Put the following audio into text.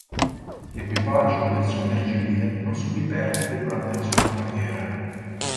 L'equipaggio del sommergibile non subì perdite durante la sua carriera.